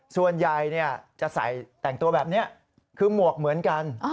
ส่วนใหญ่จะใส่แต่งตัวแบบนี้คือหมวกเหมือนกัน